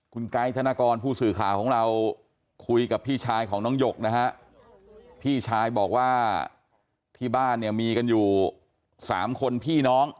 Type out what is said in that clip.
คุณไกด์ธนกรผู้สื่อข่าวของเราคุยกับพี่ชายของน้องหยกนะฮะพี่ชายบอกว่าที่บ้านเนี่ยมีกันอยู่๓คนพี่น้อง